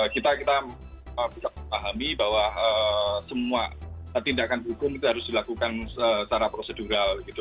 kita bisa memahami bahwa semua tindakan hukum itu harus dilakukan secara prosedural gitu